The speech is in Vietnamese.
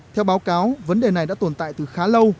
theo báo cáo vấn đề này đã tồn tại từ khá lâu